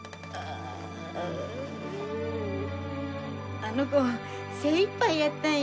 あの子精いっぱいやったんよ。